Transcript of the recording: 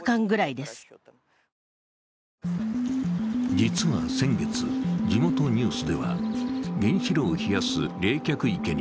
実は先月、地元ニュースでは原子炉を冷やす冷却池に